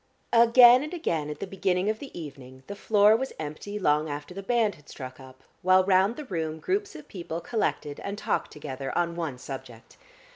Again and again at the beginning of the evening the floor was empty long after the band had struck up, while round the room groups of people collected and talked together on one subject.